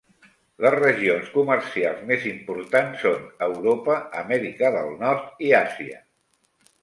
Les regions comercials més importants són Europa, Amèrica del Nord i Àsia.